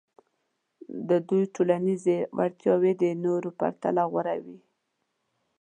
د دوی ټولنیزې وړتیاوې د نورو په پرتله غوره وې.